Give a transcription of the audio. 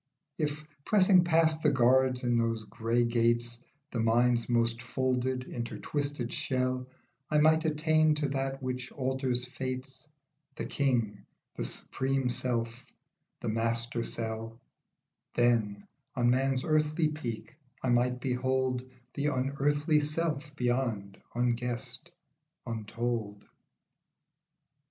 If, pressing past the guards in those grey gates, The brain's most folded, intertwisted shell, I might attain to that which alters fates, The King, the supreme self, the Master Cell ; Then, on Man's earthly peak, I might behold The unearthly self beyond, unguessed, untold.